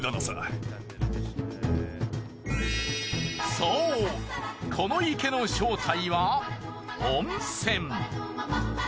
そうこの池の正体は温泉。